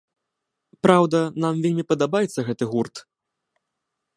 Праўда, нам вельмі падабаецца гэты гурт.